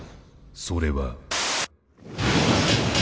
それは。